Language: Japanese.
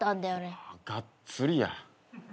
がっつりや。